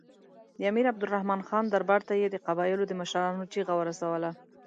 د امیر عبدالرحمن خان دربار ته یې د قبایلو د مشرانو چیغه ورسوله.